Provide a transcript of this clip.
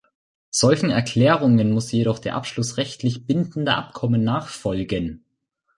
Solchen Erklärungen muss jedoch der Abschluss rechtlich bindender Abkommen nachfolgen.